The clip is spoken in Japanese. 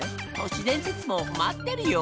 年伝説も待ってるよ！